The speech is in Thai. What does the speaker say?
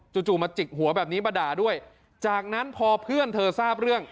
จู่มาจิกหัวแบบนี้มาด่าด้วยจากนั้นพอเพื่อนเธอทราบเรื่อง